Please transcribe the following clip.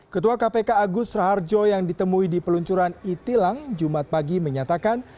ketua kpk agus raharjo yang ditemui di peluncuran e tilang jumat pagi menyatakan